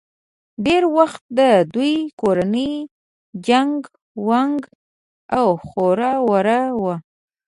ډېر وخت د دوي کورنۍ چنګ ونګ او خوره وره وه